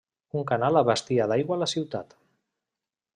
Un canal abastia d'aigua la ciutat.